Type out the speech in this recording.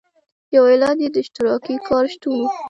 یو علت یې د اشتراکي کار شتون و.